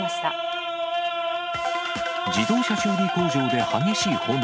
自動車修理工場で激しい炎。